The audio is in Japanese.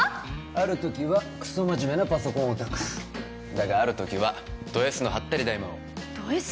ある時はクソ真面目なパソコンオタクだがある時はドＳのハッタリ大魔王ドＳ！？